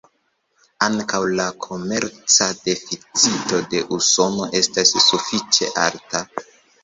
Ankaŭ la komerca deficito de Usono estas sufiĉe alta.